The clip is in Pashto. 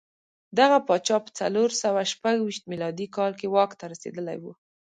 دغه پاچا په څلور سوه شپږ ویشت میلادي کال کې واک ته رسېدلی و.